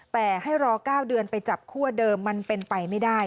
แต่ให้รอ๙เดือนไปจับคั่วเดิมมันเป็นไปไม่ได้